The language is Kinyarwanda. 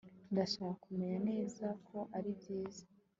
ndashaka kumenya neza ko ari byiza